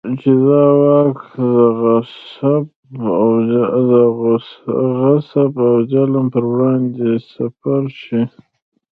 چې د واک د غصب او ظلم پر وړاندې سپر شي.